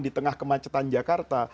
di tengah kemacetan jakarta